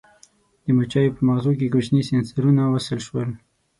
د مچیو په مغزو کې کوچني سېنسرونه وصل شول.